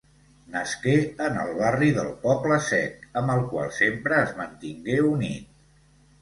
Nasqué en el barri del Poble Sec, amb el qual sempre es mantingué unit.